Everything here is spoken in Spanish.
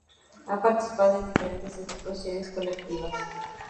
Ha participado en diferentes exposiciones colectivas.